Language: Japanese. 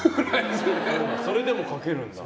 それでもかけるんだ。